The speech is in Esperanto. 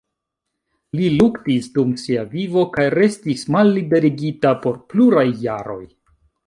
Li luktis dum sia vivo kaj restis malliberigita por pluraj jaroj.